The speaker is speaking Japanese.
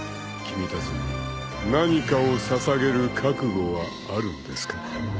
［君たちに何かを捧げる覚悟はあるんですか？］